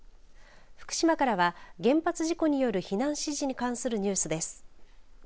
福島からは原発事故による避難指示に関するニュースです。